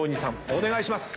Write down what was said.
お願いします！